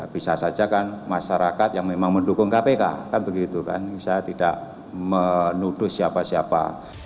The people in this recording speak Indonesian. bisa saja kan masyarakat yang memang mendukung kpk bisa tidak menuduh siapa siapa